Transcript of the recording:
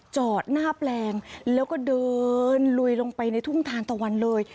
จอดหน้าแปลงแล้วก็เดินลุยลงไปในทุ่งทานตะวันเลย